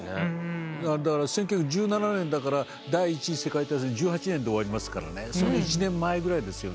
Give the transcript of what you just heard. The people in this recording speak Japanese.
だから１９１７年だから第１次世界大戦１８年で終わりますからねその１年前ぐらいですよね。